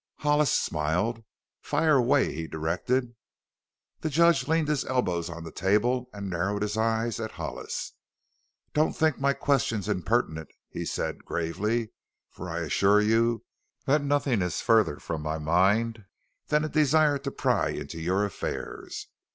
Hollis smiled. "Fire away," he directed. The judge leaned his elbows on the table and narrowed his eyes at Hollis. "Don't think my questions impertinent," he said gravely, "for I assure you that nothing is further from my mind than a desire to pry into your affairs.